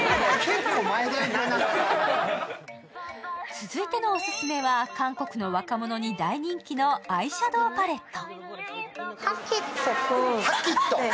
続いてのオススメは、韓国の若者に大人気のアイシャドウパレット。